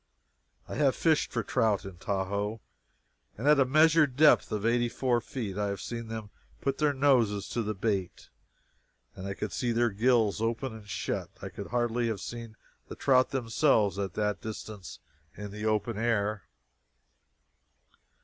I have fished for trout, in Tahoe, and at a measured depth of eighty four feet I have seen them put their noses to the bait and I could see their gills open and shut. I could hardly have seen the trout themselves at that distance in the open air.